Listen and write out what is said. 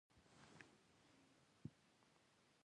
دوی د پاکستان پر ضد لاریونونه منع کړل